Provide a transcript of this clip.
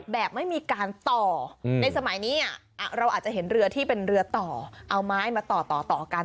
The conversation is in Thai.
แบบไม่มีการต่อในสมัยนี้เราอาจจะเห็นเรือที่เป็นเรือต่อเอาไม้มาต่อต่อกัน